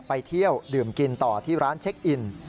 ไปเที่ยวดื่มกินต่อที่ร้านเช็คอิน